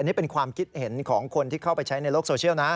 นี่เป็นความคิดเห็นของคนที่เข้าไปใช้ในโลกโซเชียลนะ